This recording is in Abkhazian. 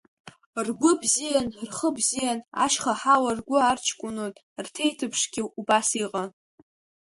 Ргәы бзиан, рхы бзиан, ашьха ҳауа ргәы арҷкәынон, рҭеиҭԥшгьы убас иҟан.